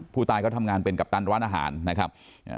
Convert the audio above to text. ผู้ตายเขาทำงานเป็นกัปตันร้านอาหารนะครับ